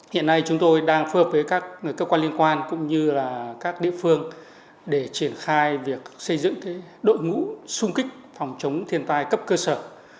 hiện nay chúng tôi đang phơ hợp với các cơ quan liên quan cũng như các địa phương để triển khai việc xây dựng đội ngũ xung kích phòng chống thiên tai cấp cơ sở